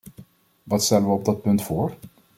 Wat stellen we op dat punt voor?